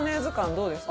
どうですか？